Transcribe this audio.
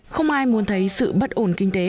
không ai muốn thấy sự bất ổn kinh tế